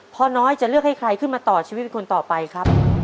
พ่อน้อยจะเลือกให้ใครขึ้นมาต่อชีวิตเป็นคนต่อไปครับ